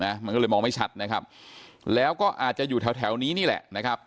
มันก็เลยมองไม่ชัดนะครับแล้วก็อาจจะอยู่แถวแถวนี้นี่แหละนะครับ